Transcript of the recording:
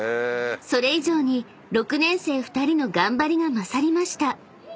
［それ以上に６年生２人の頑張りが勝りました］